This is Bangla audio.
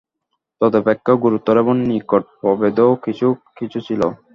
তদপেক্ষা গুরুতর এবং নিগূঢ় প্রভেদও কিছু কিছু ছিল।